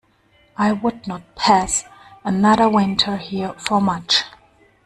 I would not pass another winter here for much.